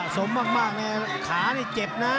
สมมากไงขานี่เจ็บนะ